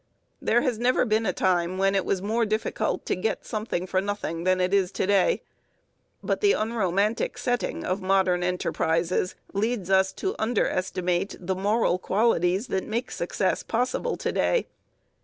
There has never been a time when it was more difficult to get something for nothing than it is to day, but the unromantic setting of modern enterprises leads us to underestimate the moral qualities that make success possible to day.